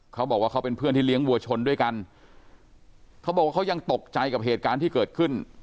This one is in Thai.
เขาบอกว่าเขาเป็นเพื่อนที่เลี้ยงวัวชนด้วยกันเขาบอกว่าเขายังตกใจกับเหตุการณ์ที่เกิดขึ้น